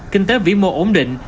kinh tế vĩ mô ổn định